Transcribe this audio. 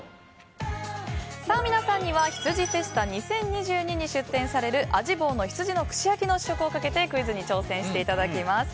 皆さんには羊フェスタ２０２２に出店される味坊の羊の串焼きの試食をかけてクイズに挑戦していただきます。